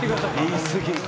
言い過ぎ。